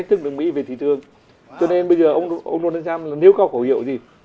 cho nên bây giờ ông donald trump là nếu có khẩu hiệu gì